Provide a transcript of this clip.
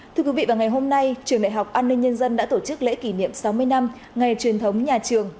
thưa quý vị vào ngày hôm nay trường đại học an ninh nhân dân đã tổ chức lễ kỷ niệm sáu mươi năm ngày truyền thống nhà trường